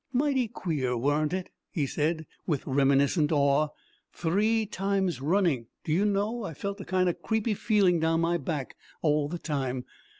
"Mighty queer, warn't it?" he said, with reminiscent awe. "Three times running. Do you know, I felt a kind o' creepy feelin' down my back all the time.